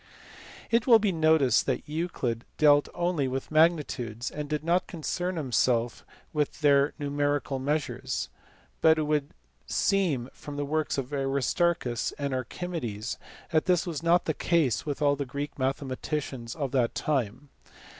It will be noticed that Euclid dealt only with magnitudes, and did not concern himself with their numerical measures, but it would seem from the works of Aristarchus and Archi medes that this was not the case with all the Greek mathe maticians of that time.